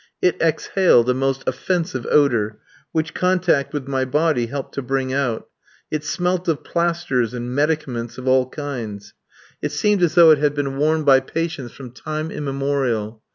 It exhaled a most offensive odour, which contact with my body helped to bring out. It smelt of plasters and medicaments of all kinds. It seemed as though it had been worn by patients from time immemorial.